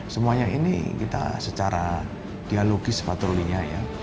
semuanya ini kita secara dialogis patrolinya ya